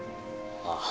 ああ。